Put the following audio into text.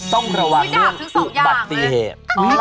ต้องระวังเรื่องอุบัติเหตุ